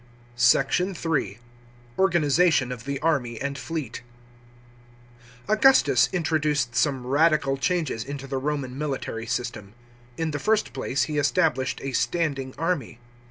SECT. III. — ORGANISATION OF THE ARMY AND FLEET. § 7. Augustus introduced some radical changes into the Roman military system. In the first place, he established a standing army.